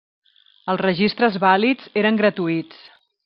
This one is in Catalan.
Els registres vàlids eren gratuïts.